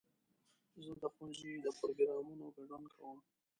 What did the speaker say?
زه د ښوونځي د پروګرامونو ګډون کوم.